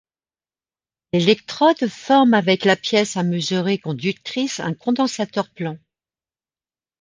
L'électrode forme avec la pièce à mesurer conductrice un condensateur plan.